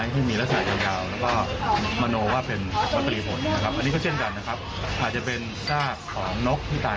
เหมือนอาจารย์ออสชอบให้มัดแรงนะครับแต่มันก็ปั้นขึ้นมา